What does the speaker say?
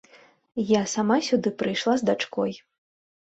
Я сама сюды прыйшла з дачкой.